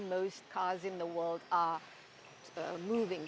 di mana sebagian besar mobil di dunia ini bergerak ke arahnya